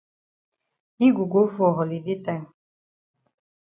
Yi go go for holiday time.